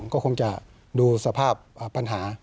ก็คงจะดูสภาพปัญหา